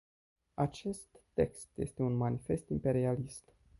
Acest text este un manifest imperialist.